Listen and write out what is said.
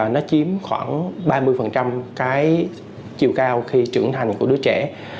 nó chiếm khoảng ba mươi cái chiều cao khi trưởng thành của đứa trẻ